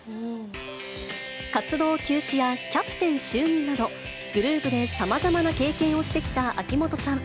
活動休止やキャプテン就任など、グループでさまざまな経験をしてきた秋元さん。